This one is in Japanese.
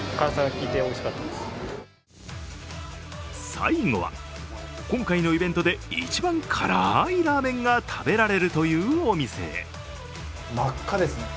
最後は、今回のイベントで一番辛いラーメンが食べられるというお店へ。